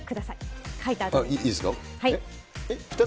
いいんですか？